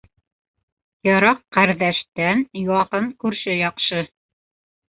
Йыраҡ ҡәрҙәштән яҡын күрше яҡшы.